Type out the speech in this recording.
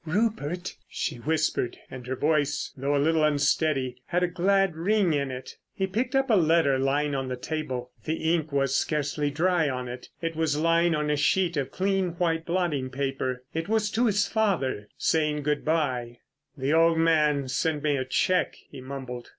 "Rupert," she whispered, and her voice, though a little unsteady, had a glad ring in it. He picked up a letter lying on the table. The ink was scarcely dry on it. It was lying on a sheet of clean white blotting paper. It was to his father—saying good bye. "The old man sent me a cheque," he mumbled.